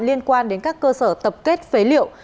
liên quan đến các cơ sở tập kết phế liệu